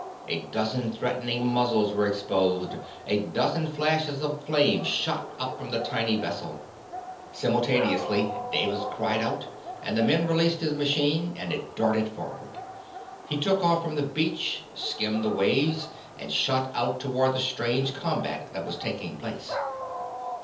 A dozen threatening muzzles were exposed. A dozen flashes of flame shot up from the tiny vessel. Simultaneously Davis cried out, the men released his machine, and it darted forward. He took off from the beach skimmed the waves, and shot out toward the strange combat that was taking place.